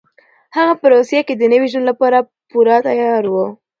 هغه په روسيه کې د نوي ژوند لپاره پوره تيار و.